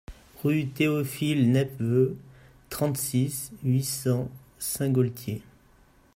Rue Théophile Nepveu, trente-six, huit cents Saint-Gaultier